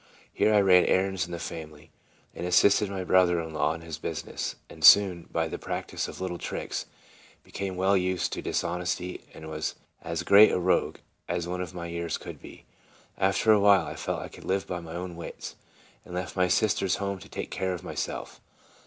Here I ran errands in the family, and assisted my brother in law in his business, and soon, by the practice of little tricks, became well used to dishonesty, and was as great a rogue as one of my years could be. After a while I felt I could live by my own wits, and left my sister's home to take care of myself.